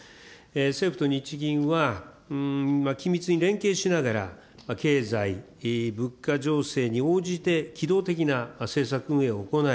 政府と日銀は緊密に連携しながら、経済、物価情勢に応じて機動的な政策運営を行い、